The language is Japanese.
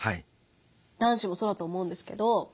男子もそうだと思うんですけど。